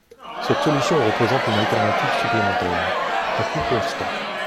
Cette solution représente une alternative supplémentaire, à coût constant.